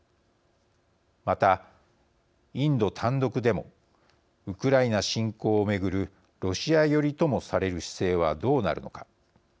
また、インド単独でもウクライナ侵攻を巡るロシア寄りともされる姿勢はどうなるのか。